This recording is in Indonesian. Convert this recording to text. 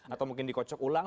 atau mungkin dikocok ulang